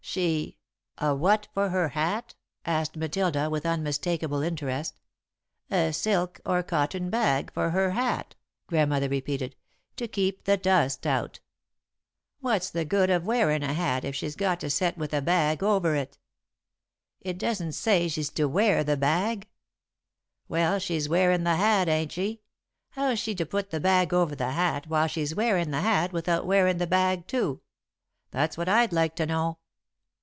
She '" "A what for her hat?" asked Matilda, with unmistakable interest. "'A silk or cotton bag for her hat,'" Grandmother repeated. "'To keep the dust out.'" [Sidenote: The Hat Bag] "What's the good of wearin' a hat if she's got to set with a bag over it?" "It doesn't say she's to wear the bag." "Well, she's wearin' the hat, ain't she? How's she to put the bag over the hat while she's wearin' the hat without wearin' the bag too? That's what I'd like to know."